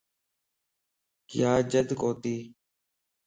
ياجڍ ڪوتي